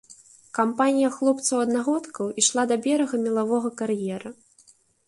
Кампанія хлопцаў-аднагодкаў ішла да берага мелавога кар'ера.